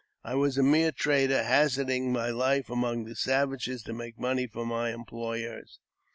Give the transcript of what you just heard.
I was a mere trader, hazarding my life among the savages to make money for my employers.